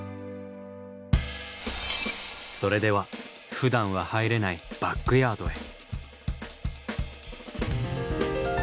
それではふだんは入れないバックヤードへ。